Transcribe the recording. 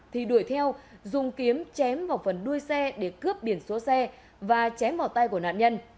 thì đuổi theo dùng kiếm chém vào phần đuôi xe để cướp biển số xe và chém vào tay của nạn nhân